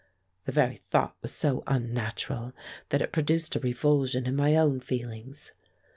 The very thought was so unnatural that it produced a revulsion in my own feelings.